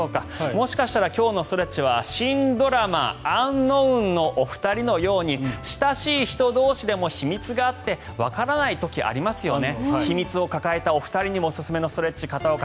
もしかしたら今日のストレッチは新ドラマ「ｕｎｋｎｏｗｎ」のお二人のように親しい人同士でも秘密があってわからない時ありますよね。